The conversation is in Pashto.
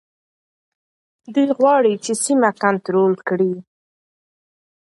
دوی غواړي چي سیمه کنټرول کړي.